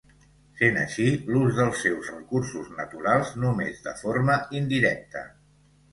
Sent així l'ús dels seus recursos naturals, només de forma indirecta.